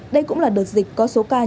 đây cũng là đợt dịch có số ca nhiễm